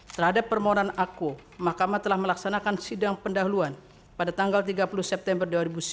terhadap permohonan aku mahkamah telah melaksanakan sidang pendahuluan pada tanggal tiga puluh september dua ribu sembilan belas